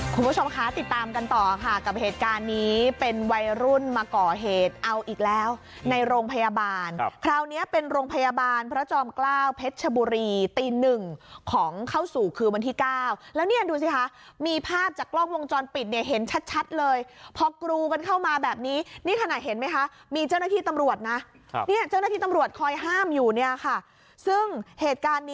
คุณผู้ชมค่ะติดตามกันต่อค่ะกับเหตุการณ์นี้เป็นวัยรุ่นมาก่อเหตุเอาอีกแล้วในโรงพยาบาลคราวเนี้ยเป็นโรงพยาบาลพระจอมกล้าวเพชรบุรีตีหนึ่งของเข้าสู่คืนวันที่เก้าแล้วเนี้ยดูสิค่ะมีภาพจากกล้องวงจรปิดเนี้ยเห็นชัดชัดเลยพอกรูมันเข้ามาแบบนี้นี่ขนาดเห็นไหมคะมีเจ้าหน้าที่ตำร